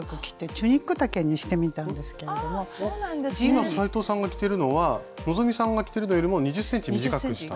今斉藤さんが着てるのは希さんが着てるのよりも２０ｃｍ短くした。